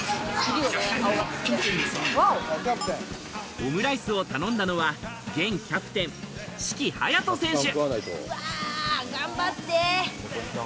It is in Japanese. オムライスを頼んだのは現キャプテン、志貴勇斗選手。